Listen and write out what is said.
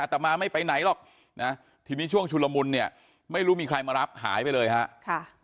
แต่มาไม่ไปไหนหรอกนะทีนี้ช่วงชุลมุนเนี่ยไม่รู้มีใครมารับหายไปเลยฮะ